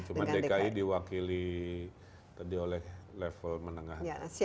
cuma dki diwakili tadi oleh level menengah